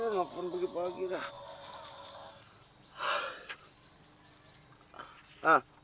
ngapain begitu lagi dah